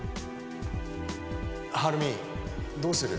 晴美どうする？